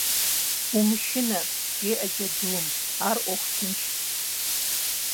- Умышынэ! - жеӀэ джэдум. - Ар Ӏуэху тыншщ.